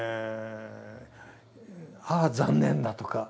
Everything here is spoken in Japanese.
「ああ残念だ」とか。